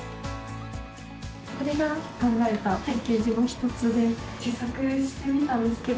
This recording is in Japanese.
これが考えたパッケージの一つで自作してみたんですけど。